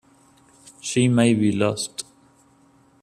She may be lost.